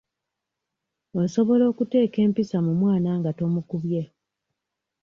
Osobola okuteeka empisa mu mwana nga tomukubye.